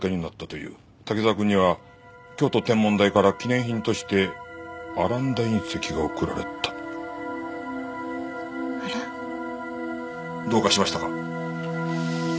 「滝沢君には京都天文台から記念品としてアランダ隕石が贈られた」あら？どうかしましたか？